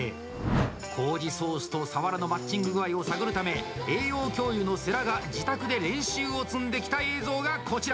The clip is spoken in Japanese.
こうじソースとさわらのマッチング具合を探るため栄養教諭の世良が自宅で練習を積んできた映像がこちら。